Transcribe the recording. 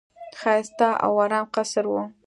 ښایسته او آرام قصر وو.